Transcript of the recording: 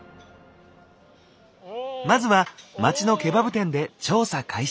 まずは街のケバブ店で調査開始。